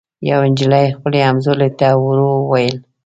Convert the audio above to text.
یوې نجلۍ خپلي همزولي ته ورو ووېل